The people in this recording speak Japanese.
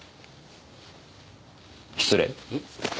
失礼。